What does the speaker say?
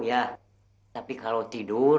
tapi kalau tidur pintu musyola jangan sampai tidur